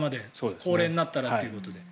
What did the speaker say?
高齢になったらということで。